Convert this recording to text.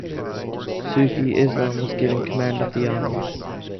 Sufi Eslam was given command of the army.